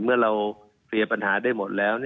เมื่อเราเคลียร์ปัญหาได้หมดแล้ว